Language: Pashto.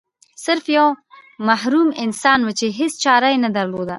سرف یو محروم انسان و چې هیڅ چاره نه درلوده.